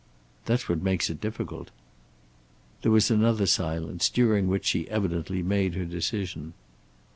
"That's what makes it difficult." There was another silence, during which she evidently made her decision.